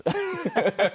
ハハハハ。